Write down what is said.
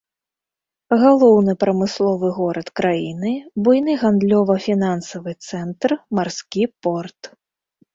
Галоўны прамысловы горад краіны, буйны гандлёва-фінансавы цэнтр, марскі порт.